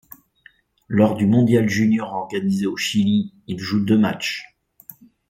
Lors du mondial junior organisé au Chili, il joue deux matchs.